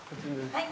はい。